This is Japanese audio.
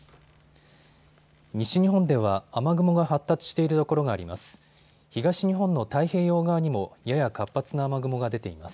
西日本では雨雲が発達している所があります。